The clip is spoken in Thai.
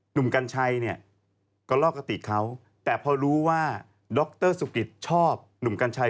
หนุ่มกัญชัยก็รอกติดเขาแต่พอรู้ว่าดรสุกิตชอบหนุ่มกัญชัย